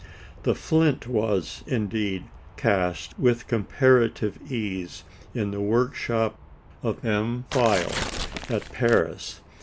The flint was, indeed, cast with comparative ease in the workshops of M. Feil at Paris.